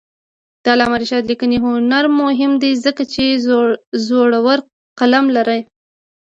د علامه رشاد لیکنی هنر مهم دی ځکه چې زړور قلم لري.